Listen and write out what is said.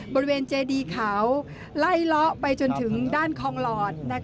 บริเวณเจดีเขาไล่เลาะไปจนถึงด้านคองหลอด